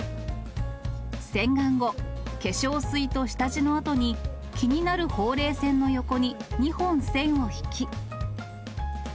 洗顔後、化粧水と下地のあとに、気になるほうれい線の横に２本線を引き。